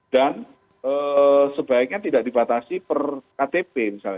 dan sebaiknya tidak dipatasi per ktp misalnya